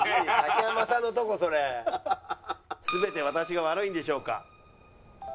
「全て私が悪いのでしょうか？」。